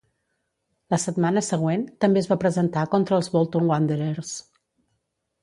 La setmana següent, també es va presentar contra els Bolton Wanderers.